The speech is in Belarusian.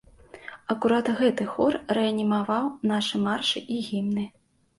Акурат гэты хор рэанімаваў нашы маршы і гімны.